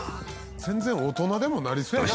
全然大人でもなりそう。